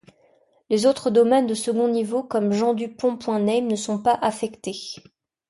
Les autres domaines de second niveau comme jeandupont.name ne sont pas affectés.